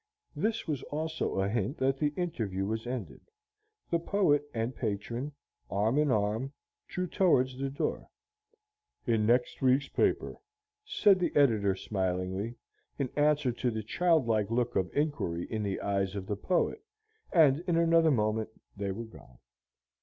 This was also a hint that the interview was ended. The poet and patron, arm in arm, drew towards the door. "In next week's paper," said the editor, smilingly, in answer to the childlike look of inquiry in the eyes of the poet, and in another moment they were gone.